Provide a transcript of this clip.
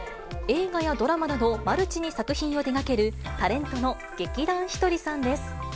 映画やドラマなど、マルチに作品を手がける、タレントの劇団ひとりさんです。